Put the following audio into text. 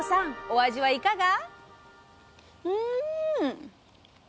お味はいかが？